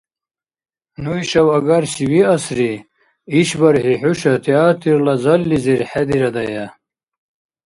Ну ишав агарси виасри, - ишбархӀи хӀуша театрла заллизир хӀедирадая.